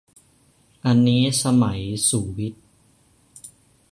อันนี้สมัยสุวิทย์